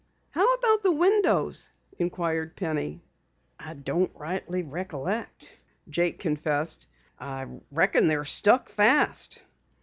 "How about the windows?" inquired Penny. "I don't rightly remember," Jake confessed. "I reckon they're stuck fast."